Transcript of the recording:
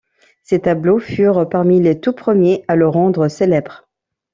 Ces tableaux furent parmi les tout premiers à le rendre célèbre.